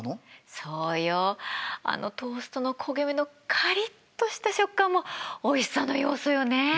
そうよあのトーストの焦げ目のカリッとした食感もおいしさの要素よね。